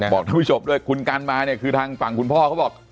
ท่านผู้ชมด้วยคุณกันมาเนี่ยคือทางฝั่งคุณพ่อเขาบอก